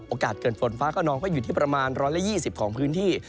โอกาสเกิดฝนฟ้าก็นอนก็อยู่ที่ประมาณ๑๒๐องศาเซียตของพื้นที่